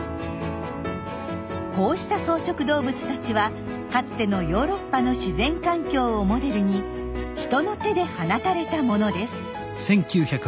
こうした草食動物たちはかつてのヨーロッパの自然環境をモデルに人の手で放たれたものです。